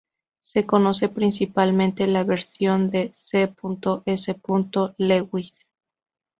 Se conoce principalmente la versión de C. S. Lewis.